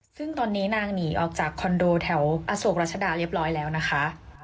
ซึ่งตอนนี้นางหนีออกจากคอนโดแถวอโศกรัชดาเรียบร้อยแล้วนะคะ